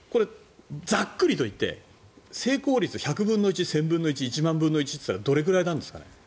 ざっくり言って成功率１００分の１、１０００分の１１万分の１といったらどれくらいなんですか？